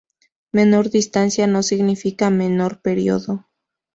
Menor distancia no significa menor periodo.